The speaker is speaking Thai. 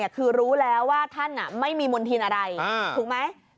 คือรู้แล้วว่าท่านไม่มีมณฑินอะไรถูกไหม